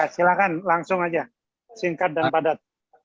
silahkan langsung aja singkat dan padat